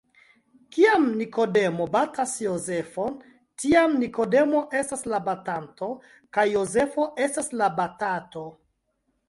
Kiam Nikodemo batas Jozefon, tiam Nikodemo estas la batanto kaj Jozefo estas la batato.